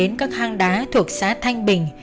đến các hang đá thuộc xã thanh bình